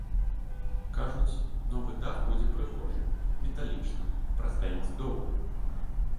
Кажуць, новы дах будзе прыгожы, металічны, прастаіць доўга.